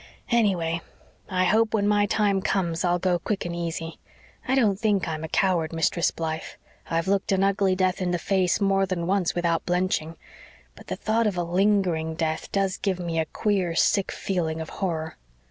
"Anyway, I hope when my time comes I'll go quick and easy. I don't think I'm a coward, Mistress Blythe I've looked an ugly death in the face more than once without blenching. But the thought of a lingering death does give me a queer, sick feeling of horror."